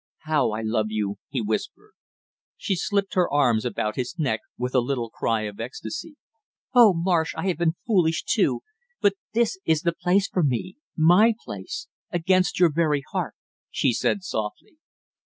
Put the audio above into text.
"How I love you!" he whispered. She slipped her arms about his neck with a little cry of ecstasy. "Oh, Marsh, I have been foolish, too, but this is the place for me my place against your very heart!" she said softly.